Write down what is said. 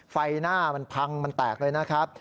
ไฟหน้ามันพังมันแตกเลยนะครับ